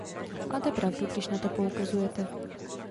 Máte pravdu, když na to poukazujete.